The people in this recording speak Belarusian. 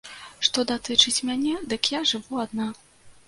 Што датычыць мяне, дык я жыву адна.